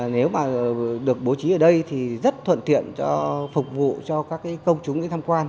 nếu mà được bố trí ở đây thì rất thuận thiện phục vụ cho các công chúng tham quan